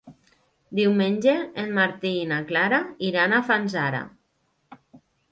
Diumenge en Martí i na Clara iran a Fanzara.